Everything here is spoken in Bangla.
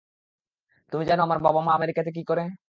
তুমি জানো আমার বাবা-মা আমেরিকাতে কী করে?